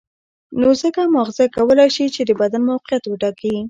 نو ځکه ماغزه کولای شي چې د بدن موقعیت وټاکي.